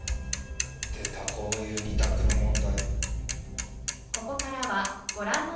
出たこういう２択の問題。